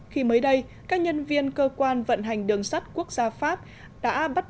khi mới đây các nhân viên cơ quan vận hành đường sắt quốc gia pháp đã bắt